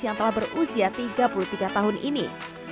yang telah berusia tiga puluh tiga tahun ini